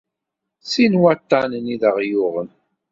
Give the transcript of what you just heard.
Sin waṭṭanen i d aɣ-yuɣen.